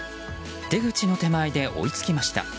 出口の手前で追いつきました。